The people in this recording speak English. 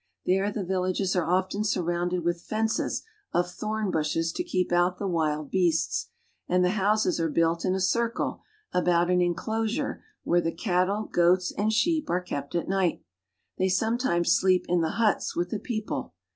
There the [■"Villages are often surrounded with fences of thorn bushes to keep out the wild beasts, and the houses are built in a e about an inclosure where the cattle, goats, and sheep R pon Palls the b rlhplacs of Ihs N Is ■ are kept at night. They sometimes sleep in the huts with ■the people.